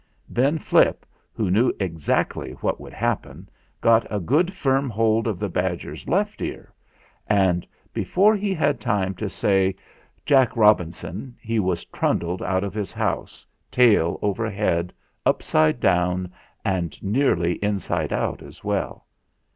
Then Flip, who knew exactly what would hap pen, got a good firm hold of the badger's left ear, and before he had time to say "J ac k Rob inson!" he was trundled out of his house tail over head, upside down, and nearly inside out as well.